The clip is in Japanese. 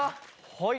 はい。